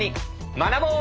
学ぼう！